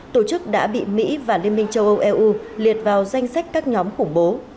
tổ chức đã bị mỹ và liên minh châu âu eu liệt vào danh sách các nhóm khủng bố